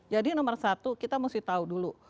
jadi nomor satu kita mesti tahu dulu